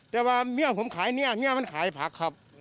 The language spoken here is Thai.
แต่ว่าเมียผมขายเนี่ยเมียมันขายผักครับ